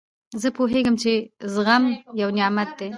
زه پوهېږم، چي زغم یو نعمت دئ.